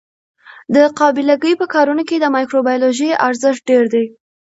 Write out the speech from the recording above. د قابله ګۍ په کارونو کې د مایکروبیولوژي ارزښت ډېر دی.